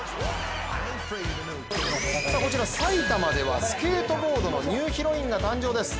埼玉ではスケートボードのニューヒロインが誕生です。